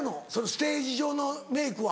ステージ上のメイクは。